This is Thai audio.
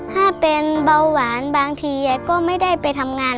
ถ้าเป็นเบาหวานบางทียายก็ไม่ได้ไปทำงาน